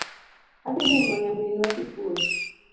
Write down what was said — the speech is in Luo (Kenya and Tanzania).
Adhi limo nyaminwa sikul